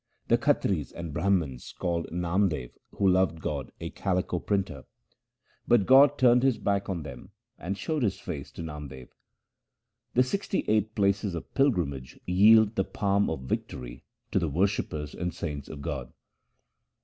The Khatris and Brahmans called Namdev who loved God a calico printer ; But God turned His back on them and showed His face to Namdev. The sixty eight places of pilgrimage yield the palm of victory 1 to the worshippers and saints of God.